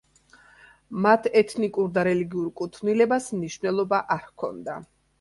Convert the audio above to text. მათ ეთნიკურ და რელიგიურ კუთვნილებას მნიშვნელობა არ ჰქონდა.